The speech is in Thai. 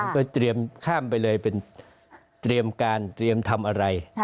ก็เตรียมข้ามไปเลยเป็นเตรียมการเตรียมทำอะไร